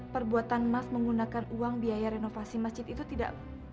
perbuatan mas menggunakan uang biaya renovasi masjid itu tidak